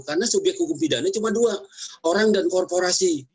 karena subyek hukum pidana cuma dua orang dan korporasi